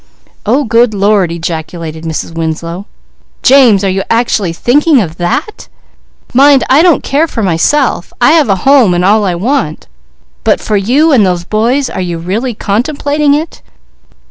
"Oh good Lord!" ejaculated Mrs. Winslow. "James, are you actually thinking of that? Mind, I don't care for myself. I have a home and all I want. But for you and those boys, are you really contemplating it?"